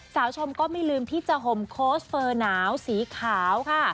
สาวชมก็ไม่ลืมที่จะห่มโค้ชเฟอร์หนาวสีขาวค่ะ